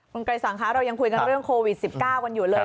คุณไกรสังคะเรายังคุยกันเรื่องโควิด๑๙กันอยู่เลย